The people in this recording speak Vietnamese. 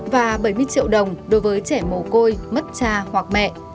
và bảy mươi triệu đồng đối với trẻ mồ côi mất cha hoặc mẹ